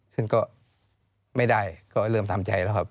ซึ่งก็ไม่ได้ก็เริ่มทำใจแล้วครับ